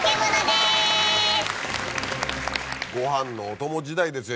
ご飯のお供時代ですよ